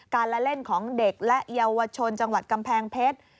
ละเล่นของเด็กและเยาวชนจังหวัดกำแพงเพชร